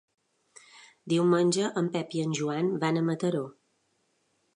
Diumenge en Pep i en Joan van a Mataró.